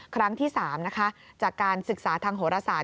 ครั้งที่๓จากการศึกษาทางโฮลภาษา